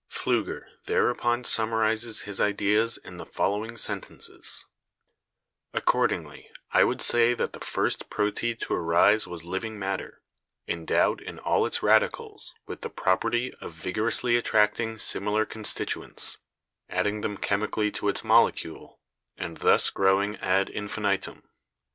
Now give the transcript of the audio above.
Pfliiger thereupon summarizes his ideas in the follow ing sentences: "Accordingly, I would say that the first proteid to arise was living matter, endowed in all its radicals with the property of vigorously attracting similar constituents, adding them chemically to its molecule, and thus growing ad infinitum.